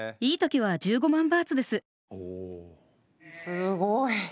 すごい。